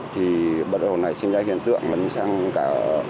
thì bắt đầu này xin ra hiện tượng mình sang cả